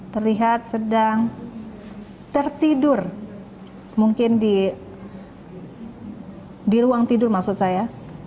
terlihat sedang tertidur mungkin di ruang tidur maksud saya